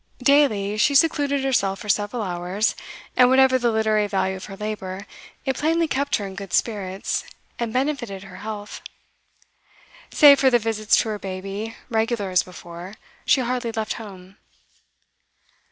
Daily she secluded herself for several hours; and, whatever the literary value of her labour, it plainly kept her in good spirits, and benefited her health. Save for the visits to her baby, regular as before, she hardly left home.